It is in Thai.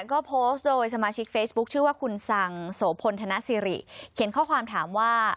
ก็โพสต์โดยสมาชิกเฟซบุ๊คชื่อว่าคุณสังโสพลธนสิริเขียนข้อความถามว่า